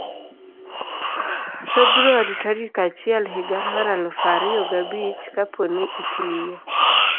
februar tarik achiel higa mar aluf ariyo ga bich. kapo ni itiyo